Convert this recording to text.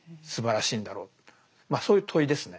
まあそういう問いですね。